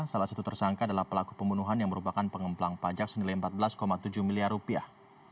salah satu tersangka adalah pelaku pembunuhan yang merupakan pengemplang pajak senilai empat belas tujuh miliar rupiah